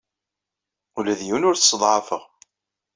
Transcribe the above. Ula d yiwen ur t-sseḍɛafeɣ.